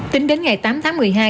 tính đến ngày tám tháng một mươi hai